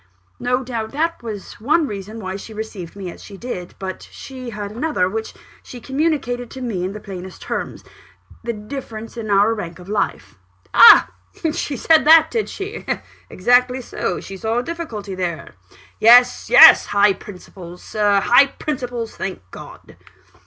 "No doubt that was one reason why she received me as she did; but she had another, which she communicated to me in the plainest terms the difference in our rank of life." "Ah! she said that, did she? Exactly so she saw a difficulty there? Yes yes! high principles, Sir high principles, thank God!"